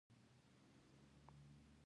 جوجو وويل، دا سړي مې د مکتب اداره کې ولید.